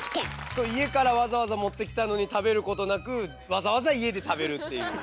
そう家からわざわざ持ってきたのに食べることなくわざわざ家で食べるっていう。